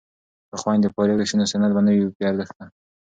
که خویندې فارغې شي نو سند به نه وي بې ارزښته.